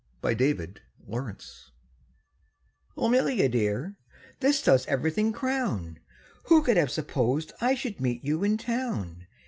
THE RUINED MAID "O 'Melia, my dear, this does everything crown! Who could have supposed I should meet you in Town?